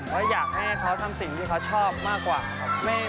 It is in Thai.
เขาอยากให้เขาทำสิ่งที่เขาชอบมากกว่าครับ